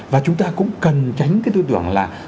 và chúng ta cũng cần tránh cái tư tưởng là